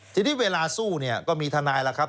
ทีนี้เวลาสู้เนี่ยก็มีทนายแล้วครับ